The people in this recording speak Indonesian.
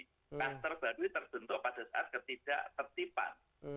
kluster baru terbentuk pada saat ketidak tertipan